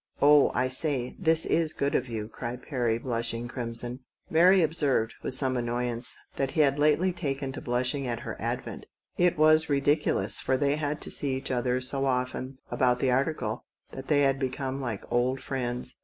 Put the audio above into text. "Oh, I say, this is good of you," cried Perry, blushing crimson. Mary observed, with some annoyance, that 194 THE STORY OF A MODERN WOMAN. he had lately taken to blushing at her advent. It was ridiculous, for they had to see each other so often about the article that they had become like old friends.